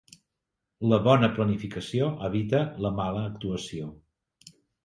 La bona planificació evita la mala actuació.